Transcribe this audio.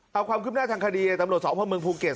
ตามความคิดหน้าทางคดีตำรวจสอบพระมงเมืองภูเกษ